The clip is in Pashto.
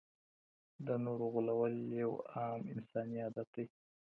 د نورو غولول یو عام انساني عادت دی.